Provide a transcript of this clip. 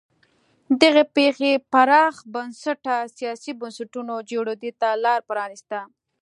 دغې پېښې پراخ بنسټه سیاسي بنسټونو جوړېدو ته لار پرانیسته.